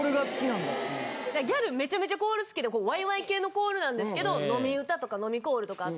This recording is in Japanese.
ギャルめちゃめちゃコール好きでワイワイ系のコールなんですけど飲み歌とか飲みコールとかあって。